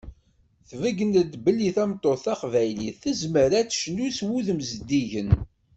Tbeggen-d belli tameṭṭut taqbaylit tezmer ad tecnu s wudem zeddigen.